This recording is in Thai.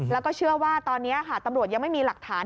แล้วก็เชื่อว่าตอนนี้ค่ะตำรวจยังไม่มีหลักฐาน